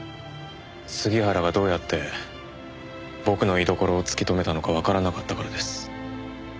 杉原がどうやって僕の居所を突き止めたのかわからなかったからです。